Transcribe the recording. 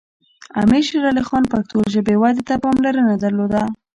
امیر شیر علی خان پښتو ژبې ودې ته پاملرنه درلوده.